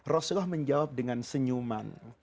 rasulullah menjawab dengan senyuman